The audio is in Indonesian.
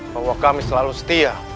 bahwa kami selalu setia